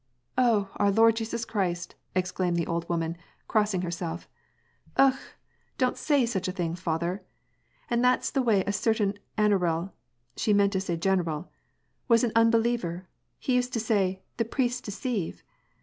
"Oh, our Lord Jesus Christ!" exclaimed the old woman, crossing herself. " Okh ! don't say such a thing, father. And that's the way a certain anaral "— she meant to say general — "was an unbeliever: he u.sed to say, Hhe priests deceive.'